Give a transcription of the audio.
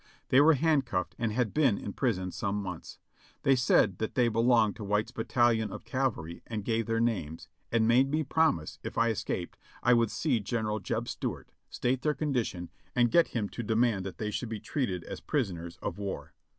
They were handcuffed, and had been in prison some months. They said that they belonged to White's battalion of cavalry and gave their names, and made me promise, if I escaped, I would see General Jeb Stuart, state their condition, and get him to demand that they should be treated as prisoners of war.